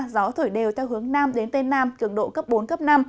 gió thổi đều theo hướng nam đến tây nam cường độ cấp bốn cấp năm